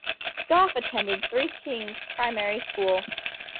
Goff attended Three Kings Primary School.